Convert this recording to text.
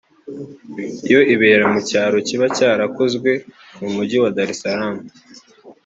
yo ibera mu cyaro kiba cyarakozwe mu Mujyi wa Dar es Salaam